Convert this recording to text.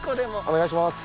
お願いします。